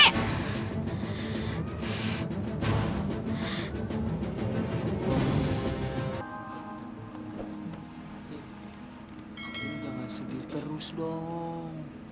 kang jumadi jangan sedih terus dong